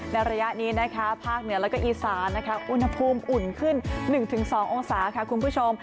ระยะนี้นะคะภาคเหนือแล้วก็อีสานนะคะอุณหภูมิอุ่นขึ้น๑๒องศาค่ะคุณผู้ชม